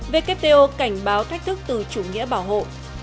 wto cảnh báo thách thức từ chủ nghĩa bảo hộ